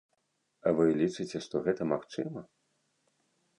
Вы лічыце, што гэта магчыма?